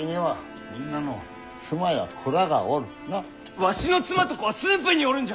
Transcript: わしの妻と子は駿府におるんじゃ！